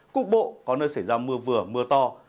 cục bộ có nơi xảy ra mưa vừa mưa to